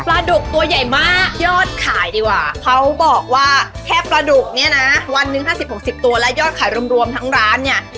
ดุกตัวใหญ่มากยอดขายดีกว่าเขาบอกว่าแค่ปลาดุกเนี่ยนะวันหนึ่ง๕๐๖๐ตัวและยอดขายรวมทั้งร้านเนี่ย